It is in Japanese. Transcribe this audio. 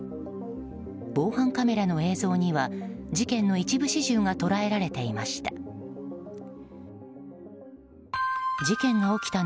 防犯カメラの映像には事件の一部始終が捉えられていました。